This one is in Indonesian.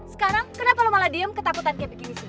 sekarang kenapa malah diem ketakutan kayak begini sih